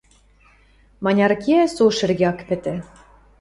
Маняры кеӓ, со шӹргӹ ак пӹтӹ.